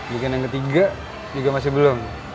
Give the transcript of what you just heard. bikin yang ketiga juga masih belum